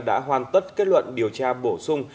đã hoàn tất kết luận điều tra bổ sung